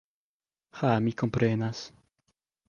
Ha, mi komprenas.